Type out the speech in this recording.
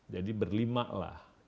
jadi berlima lah